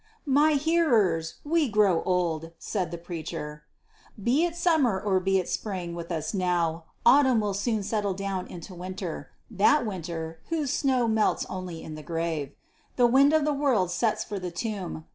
"My hearers, we grow old," said the preacher. "Be it summer or be it spring with us now, autumn will soon settle down into winter, that winter whose snow melts only in the grave. The wind of the world sets for the tomb.